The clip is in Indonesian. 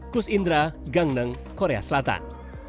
kus indra gangneng korea selatan